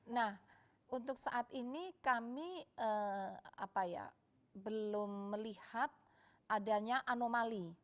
nah untuk saat ini kami belum melihat adanya anomali